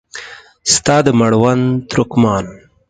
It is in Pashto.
ستا د مړوند ترکمان